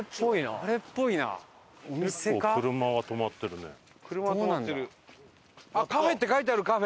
あっカフェって書いてあるカフェ。